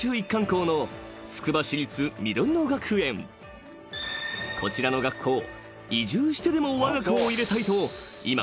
［こちらの学校移住してでもわが子を入れたいと今］